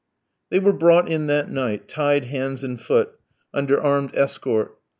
They were brought in that night, tied hands and feet, under armed escort.